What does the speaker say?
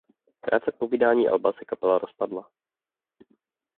Krátce po vydání alba se kapela rozpadla.